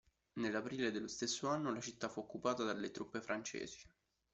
Nell'aprile dello stesso anno la città fu occupata dalle truppe francesi.